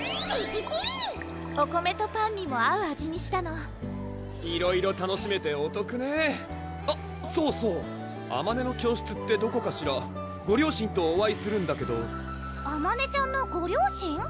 ピピピーお米とパンにも合う味にしたのいろいろ楽しめてお得ねあっそうそうあまねの教室ってどこかしらご両親とお会いするんだけどあまねちゃんのご両親？